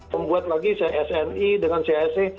membuat lagi chse dengan chse